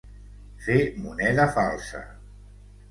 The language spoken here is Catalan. Fer moneda falsa.